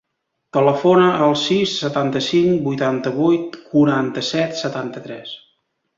Telefona al sis, setanta-cinc, vuitanta-vuit, quaranta-set, setanta-tres.